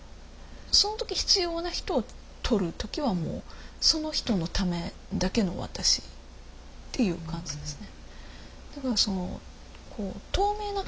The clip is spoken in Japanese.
その時必要な人を撮る時はもうその人のためだけの私っていう感じですね。